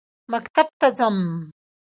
مکتب ته ځم.